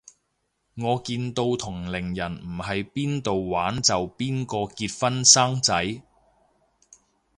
我見到同齡人唔係邊到玩就邊個結婚生仔